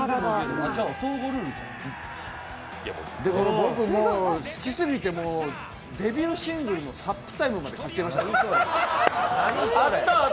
僕、好きすぎてデビューシングルの「サップタイム」まで買っちゃいました。